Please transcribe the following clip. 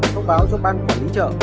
thông báo do băng quản lý chợ